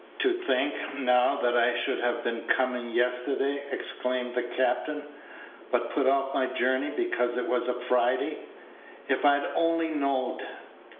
"To think, now, that I should have been comin' yesterday!" exclaimed the captain, "but put off my journey because it was a Friday! If I'd only knowed!"